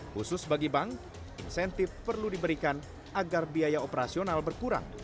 khusus bagi bank insentif perlu diberikan agar biaya operasional berkurang